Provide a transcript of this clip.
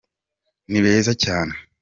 nibeza cyane.